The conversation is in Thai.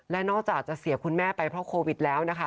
และนอกจากจะเสียคุณแม่ไปเพราะโควิดแล้วนะคะ